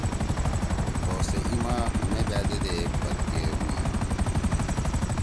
خو سے ایِما مے بأدے دے پدکے ہُوئی۔